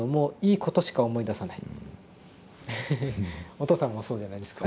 お父さんもそうじゃないですか？